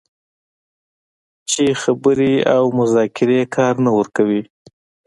چې خبرې او مذاکرې کار نه ورکوي